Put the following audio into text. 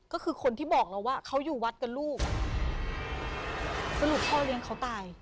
ก็คือคนที่บอกเราว่าเขาอยู่วัดกับลูกอ่ะสรุปพ่อเลี้ยงเขาตาย